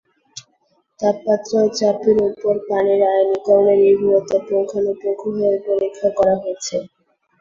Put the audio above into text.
তাপমাত্রা ও চাপের ওপর পানির আয়নীকরণের নির্ভরতা পুঙ্খানুপুঙ্খভাবে পরীক্ষা করা হয়েছে।